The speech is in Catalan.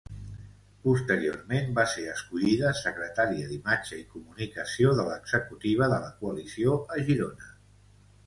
Posteriorment, va ser escollida secretària d'imatge i comunicació de l'executiva de la coalició a Girona.